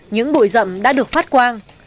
những bụi rậm đã được phát quang